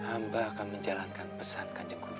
amba akan menjalankan pesan kanjengguru